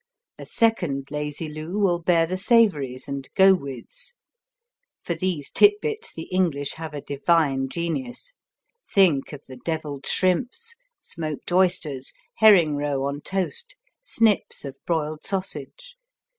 A second Lazy Lou will bear the savories and go withs. For these tidbits the English have a divine genius; think of the deviled shrimps, smoked oysters, herring roe on toast, snips of broiled sausage